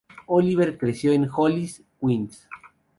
Oliver creció en Hollis, Queens.